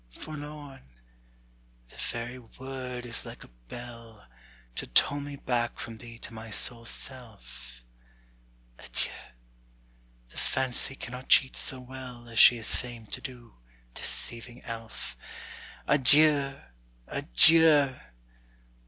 Forlorn! the very word is like a bell, To toll me back from thee to my sole self! Adieu! the Fancy cannot cheat so well As she is famed to do, deceiving elf. Adieu! adieu!